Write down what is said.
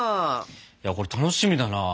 いやこれ楽しみだなあ。